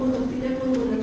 untuk tidak menuntut ahli